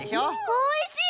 おいしい！